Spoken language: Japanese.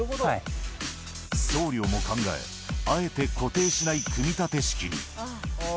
送料も考え、あえて固定しない組み立て式に。